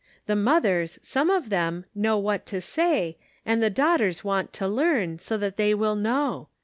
The mothers, some of them, know what to say, and the daughters want to learn, so that they will know.